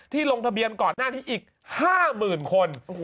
ลงทะเบียนก่อนหน้านี้อีก๕๐๐๐คน